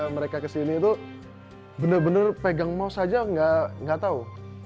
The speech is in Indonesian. mereka kesini itu benar benar pegang mou saja nggak tahu